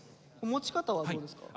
持ち方はどうですか？